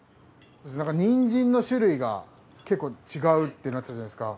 ニンジンの種類が結構違うってなったじゃないですか。